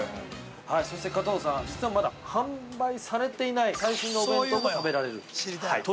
◆そして加藤さん、実はまだ販売されていない最新のお弁当も食べられると？